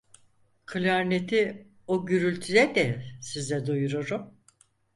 Klarneti o gürültüde de size duyururum.